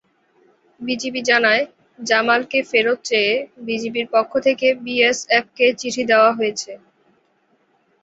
BGB জানায়, জামালকে ফেরত চেয়ে বিজিবির পক্ষ থেকে বিএসএফকে চিঠি দেওয়া হয়েছে।